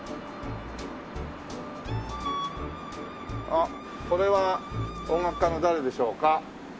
あっこれは音楽家の誰でしょうか？